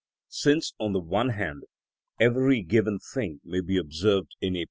Since, on the one hand, every given thing may be observed in a.